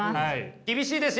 厳しいですよ。